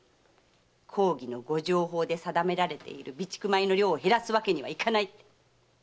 公儀の御定法で定められている備蓄米の量を減らすわけにはいかないってね。